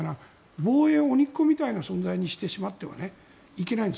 防衛を鬼っ子みたいな存在にしてはいけないんです。